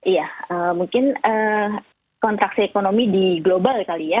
iya mungkin kontraksi ekonomi di global kali ya